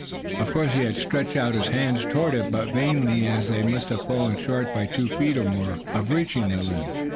Of course he had stretched out his hands toward it, but vainly, as they must have fallen short by two feet or more of reaching the limb.